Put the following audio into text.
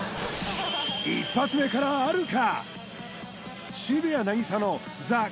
１発目からあるか？